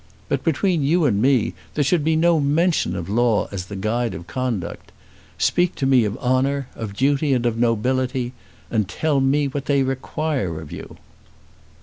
But between you and me there should be no mention of law as the guide of conduct. Speak to me of honour, of duty, and of nobility; and tell me what they require of you."